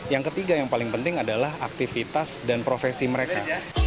yang ketiga yang paling penting adalah aktivitas dan profesi mereka